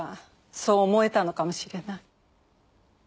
そう思えたのかもしれない。